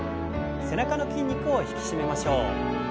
背中の筋肉を引き締めましょう。